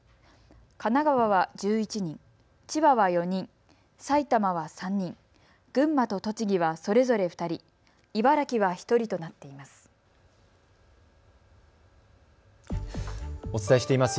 神奈川は１１人、千葉は４人、埼玉は３人、群馬と栃木はそれぞれ２人、茨城は１人となっています。